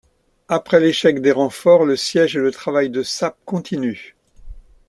Après l’échec des renforts, le siège et le travail de sape continuent.